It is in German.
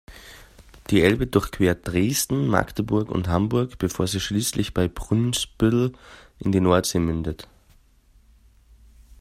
Die Elbe durchquert Dresden, Magdeburg und Hamburg, bevor sie schließlich bei Brunsbüttel in die Nordsee mündet.